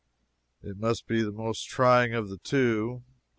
It must be the most trying of the two.